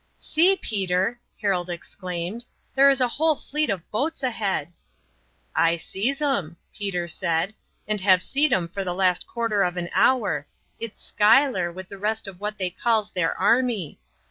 "See, Peter!" Harold exclaimed; "there is a whole fleet of boats ahead." "I sees 'em," Peter said, "and have seed 'em for the last quarter of an hour. It's Schuyler, with the rest of what they calls their army.